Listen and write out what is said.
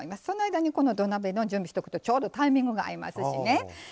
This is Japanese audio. その間に、この土鍋の準備をしておくと、ちょうどタイミングが合いますし。